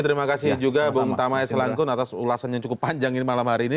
terima kasih juga bu tama eslangkun atas ulasannya cukup panjang ini malam hari ini